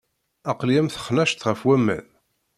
Aql-i am texnact ɣef waman.